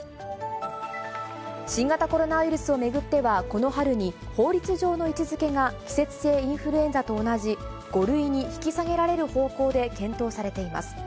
新型コロナウイルスを巡っては、この春に、法律上の位置づけが季節性インフルエンザと同じ５類に引き下げられる方向で検討されています。